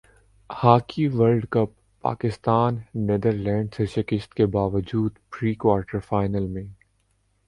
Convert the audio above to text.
hockey world cup Pakistan Netherlands سے شکست کے باوجود پری کوارٹر فائنل میں